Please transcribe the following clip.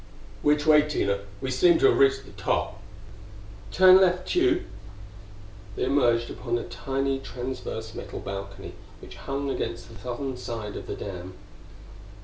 "Which way, Tina? We seem to have reached the top." "Turn left, Tugh." They emerged upon a tiny transverse metal balcony which hung against the southern side of the dam.